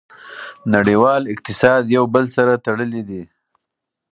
نړیوال اقتصاد یو بل سره تړلی دی.